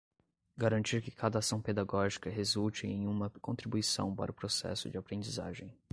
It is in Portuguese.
garantir que cada ação pedagógica resulte em uma contribuição para o processo de aprendizagem